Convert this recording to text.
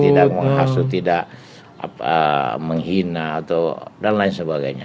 tidak menghasut tidak menghina dan lain sebagainya